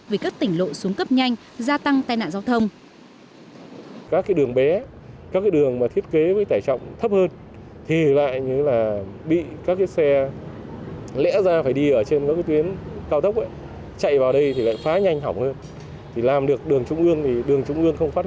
vì các tỉnh lộ xuống cấp nhanh gia tăng tai nạn giao thông